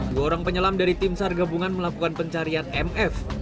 dua orang penyelam dari tim sargebungan melakukan pencarian mf